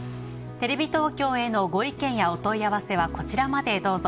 テレビ東京へのご意見やお問い合わせはこちらまでどうぞ。